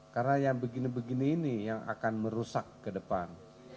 karena yang begini begini ini yang akan merusak ke depan